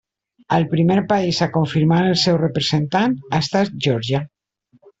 El primer país a confirmar el seu representant ha estat Geòrgia.